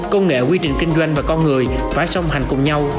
công nghệ quy trình kinh doanh và con người phải song hành cùng nhau